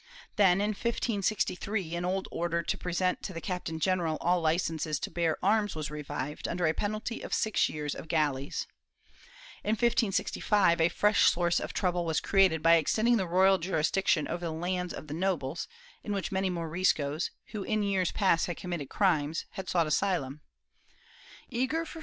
* Then, in 1563, an old order to present to the captain general all licences to bear arms was revived under a penalty of six years of galleys.^ In 1565 a fresh source of trouble was created by extending the royal jurisdiction over the lands of the nobles, in which many Moriscos, who in years past had committed ' Dormer, Bleda, Marmol Carvajal, loc.